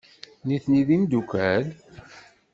Nitni d imeddukal?